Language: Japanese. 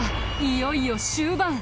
いよいよ終盤。